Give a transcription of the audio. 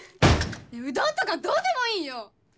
うどんとかどうでもいいよ！